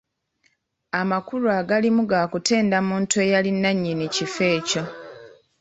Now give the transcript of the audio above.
Amakulu agalirimu ga kutenda muntu eyali nannyini kifo ekyo.